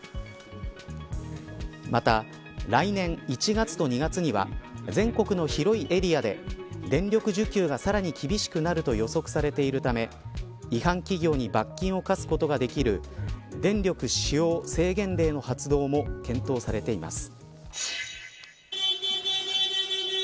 また、来年１月と２月には全国の広いエリアで電力需給がさらに厳しくなると予測されているため違反企業に罰金を科すことができる電力使用制限令の発動も検討されています。